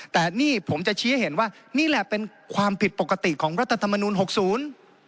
แต่นี่ผมจะชี้ให้เห็นว่านี่แหละเป็นความผิดปกติของรัฐธรรมนูลหกศูนย์